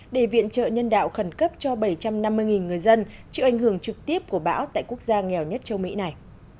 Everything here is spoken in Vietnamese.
để viện trợ nhân đạo khẩn cấp cho bảy trăm năm mươi người dân chịu ảnh hưởng trực tiếp của bão tại quốc gia nghèo nhất châu mỹ này